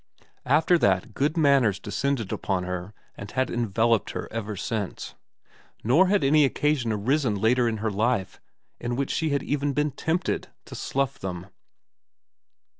After that good manners descended upon her, and had enveloped her ever since. Nor had any occasion arisen later in her life in which she had even been tempted to slough them.